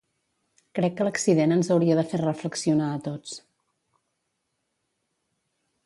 Crec que l'accident ens hauria de fer reflexionar a tots.